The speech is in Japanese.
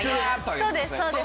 そうですそうです。